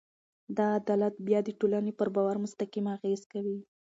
دا عدالت بیا د ټولنې پر باور مستقیم اغېز کوي.